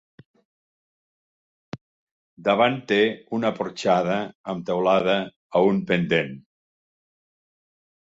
Davant té una porxada amb teulada a un pendent.